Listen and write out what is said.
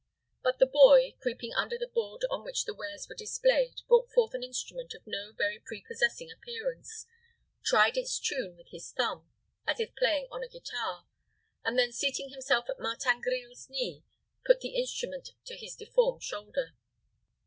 But the boy, creeping under the board on which the wares were displayed, brought forth an instrument of no very prepossessing appearance, tried its tune with his thumb, as if playing on a guitar, and then seating himself at Martin Grille's knee, put the instrument to his deformed shoulder.